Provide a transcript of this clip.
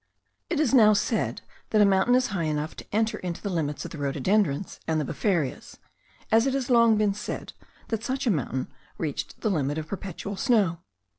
It is now said that a mountain is high enough to enter into the limits of the rhododendrons and the befarias, as it has long been said that such a mountain reached the limit of perpetual snow.